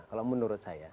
kalau menurut saya